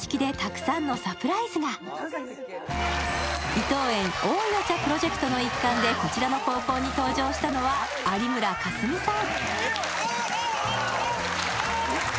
伊藤園おいお茶プロジェクトの一環でこちらの高校に登場したのは有村架純さん。